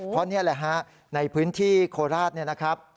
เพราะนี่แหละฮะในพื้นที่โคราชเนี่ยนะครับ